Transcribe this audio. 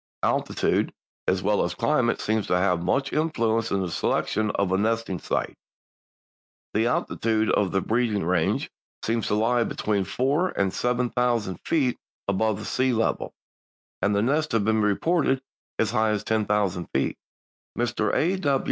Altitude as well as climate seems to have much influence in the selection of a nesting sight. The altitude of the breeding range seems to lie between four and seven thousand feet above the sea level, and nests have been reported as high as ten thousand feet. Mr. A.